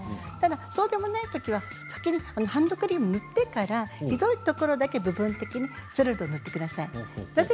そうでもないときは先にハンドクリームを塗ってからひどいところだけ部分的にステロイドを塗ってください。